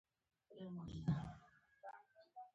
ایا زه باید د فشار ټسټ وکړم؟